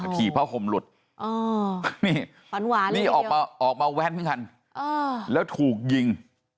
ถี่เพราะข่มหลุดนี่ออกมาแว่นเพียงคันแล้วถูกยิง